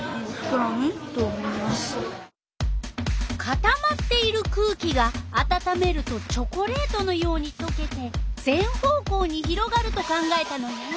かたまっている空気があたためるとチョコレートのようにとけて全方向に広がると考えたのね。